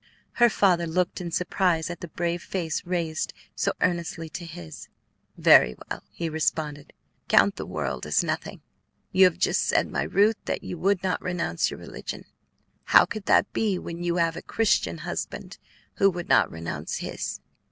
Her father looked in surprise at the brave face raised so earnestly to his. "Very well," he responded; "count the world as nothing. You have just said, my Ruth, that you would not renounce your religion. How could that be when you have a Christian husband who would not renounce his?"